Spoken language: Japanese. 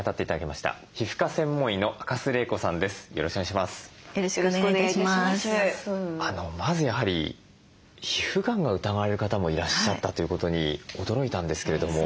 まずやはり皮膚がんが疑われる方もいらっしゃったということに驚いたんですけれども。